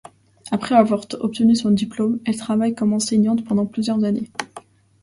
Après avoir obtenu son diplôme, elle travaille comme enseignante pendant plusieurs années.